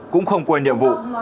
cũng không quên nhiệm vụ